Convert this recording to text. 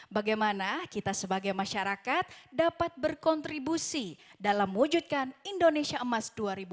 bagaimana kita sebagai masyarakat dapat berkontribusi dalam mewujudkan indonesia emas dua ribu dua puluh empat